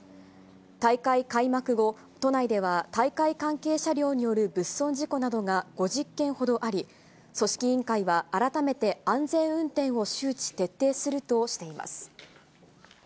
大会開幕後、都内では大会関係車両による物損事故などが５０件ほどあり、組織委員会は、改めて安全運転を周知徹底するとしています。